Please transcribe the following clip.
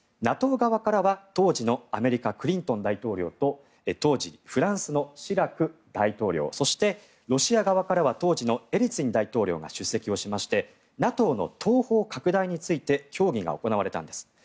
ＮＡＴＯ側からは当時のアメリカ、クリントン大統領と当時、フランスのシラク大統領そしてロシア側からは当時のエリツィン大統領が出席しましてＮＡＴＯの東方拡大について協議が行われたんです。